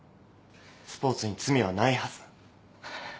スポーツに罪はないはず。